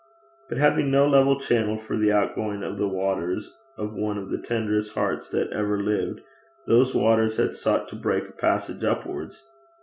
But having no level channel for the outgoing of the waters of one of the tenderest hearts that ever lived, those waters had sought to break a passage upwards.